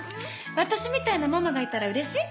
私みたいなママがいたらうれしい？